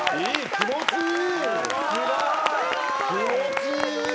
・気持ちいい。